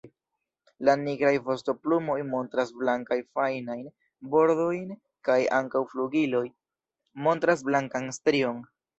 La nigraj vostoplumoj montras blankajn fajnajn bordojn kaj ankaŭ la flugiloj montras blankan strion.